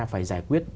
phải giải quyết